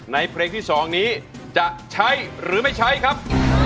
เพลงที่๒นี้จะใช้หรือไม่ใช้ครับ